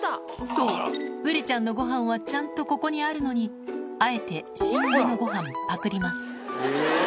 そう、ウリちゃんのごはんはちゃんとここにあるのに、あえて新入りのごはん、パクります。